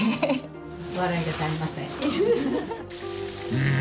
［うん。